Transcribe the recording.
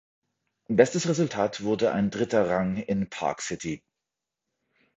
Bestes Resultat wurde ein dritter Rang in Park City.